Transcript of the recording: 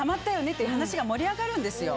って話が盛り上がるんですよ。